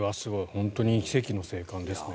本当に奇跡の生還ですね。